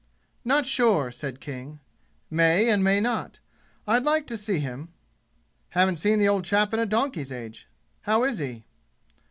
"Not sure," said King. "May and may not. I'd like to see him. Haven't seen the old chap in a donkey's age. How is he?"